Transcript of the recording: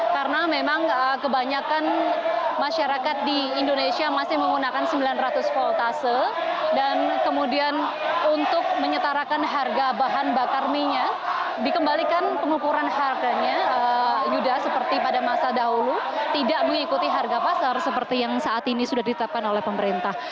karena memang kebanyakan masyarakat di indonesia masih menggunakan sembilan ratus voltase dan kemudian untuk menyetarakan harga bahan bakar minyak dikembalikan pengukuran harganya yuda seperti pada masa dahulu tidak mengikuti harga pasar seperti yang saat ini sudah ditetapkan oleh pemerintah